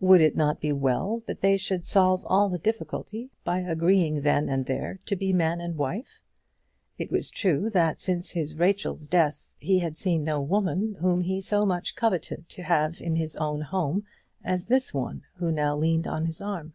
Would it not be well that they should solve all the difficulty by agreeing then and there to be man and wife? It was true that since his Rachel's death he had seen no woman whom he so much coveted to have in his home as this one who now leaned on his arm.